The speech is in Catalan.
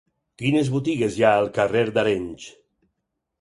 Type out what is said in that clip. Quines botigues hi ha al carrer d'Arenys?